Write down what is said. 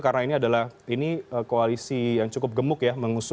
karena ini adalah koalisi yang cukup gemuk ya